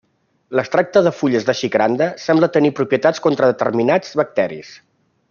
L'extracte de fulles de xicranda sembla tenir propietats contra determinats bacteris.